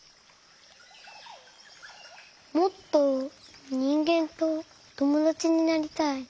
もっとにんげんとともだちになりたい。